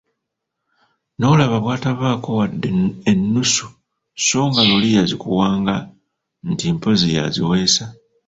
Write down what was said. Nolaba bwatavaako wadde ennusu so nga luli yazikuwanga nga nti mpozzi yaziweesa.